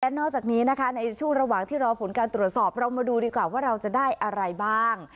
นอกจากนี้นะคะในช่วงระหว่างที่รอผลการตรวจสอบเรามาดูดีกว่าว่าเราจะได้อะไรบ้าง